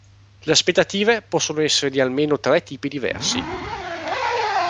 Le aspettative possono essere di almeno tre tipi diversi.